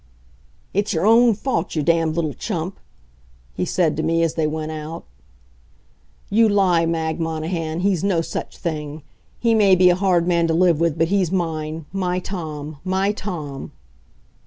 "It's your own fault, you damned little chump!" he said to me, as they went out. You lie, Mag Monahan, he's no such thing! He may be a hard man to live with, but he's mine my Tom my Tom!